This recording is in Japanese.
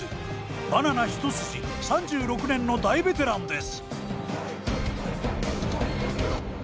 バナナ一筋３６年の大ベテランです。